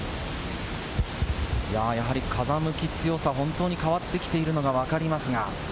やはり風向き、強さ、本当に変わってきているのがわかりますが。